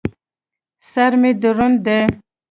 سر مې دروند دى.